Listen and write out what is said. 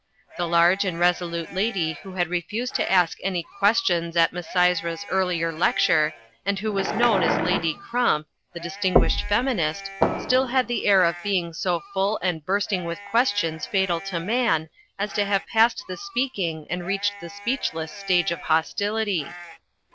The large and resolute lady who had refused to ask any questions at Misysra's earlier lecture, and who was known as Lady Crump, the distinguished Feminist, still had the air of being so full and bursting with questions fatal to Man as to have passed the speaking and reached the speechless stage of hostility.